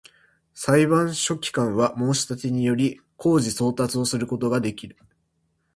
裁判所書記官は、申立てにより、公示送達をすることができる